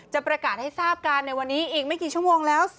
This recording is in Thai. จะประกาศให้ทราบกันในวันนี้อีกไม่กี่ชั่วโมงแล้ว